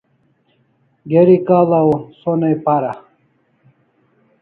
Geri k'la' o sonai para